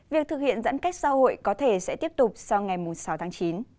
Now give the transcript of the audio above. việc thực hiện giãn cách xã hội có thể sẽ tiếp tục sau ngày sáu tháng chín